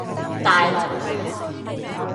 大浪村